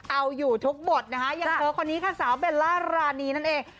เอาอยู่ทุกบทนะคะอย่างเธอคนนี้ค่ะสาวเบลล่ารานีนั่นเอง